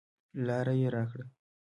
لاره یې راکړه.